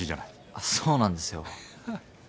あっそうなんですよ。ははっ。